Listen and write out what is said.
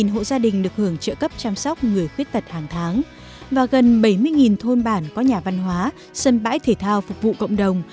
một mươi hộ gia đình được hưởng trợ cấp chăm sóc người khuyết tật hàng tháng và gần bảy mươi thôn bản có nhà văn hóa sân bãi thể thao phục vụ cộng đồng